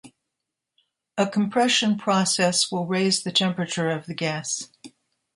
A compression process will raise the temperature of the gas.